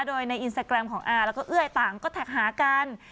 โดยในอินสตาแกรมของอาแล้วก็เอ้ยต่างก็แท็กหากัน